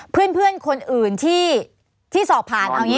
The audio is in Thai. เพื่อนคนอื่นที่สอบผ่านเอาอย่างนี้